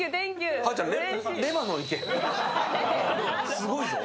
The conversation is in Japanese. すごいよ！